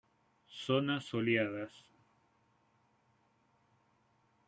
Zonas soleadas.